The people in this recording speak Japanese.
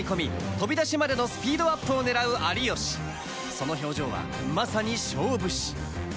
飛び出しまでのスピードアップを狙う有吉その表情はまさに勝負師